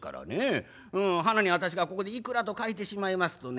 はなに私がここでいくらと書いてしまいますとね